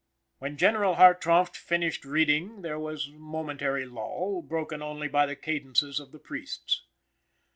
When General Hartrauft ceased reading there was momentary lull, broken only by the cadences of the priests.